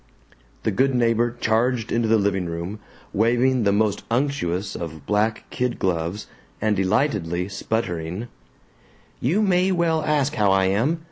The good neighbor charged into the living room, waving the most unctuous of black kid gloves and delightedly sputtering: "You may well ask how I am!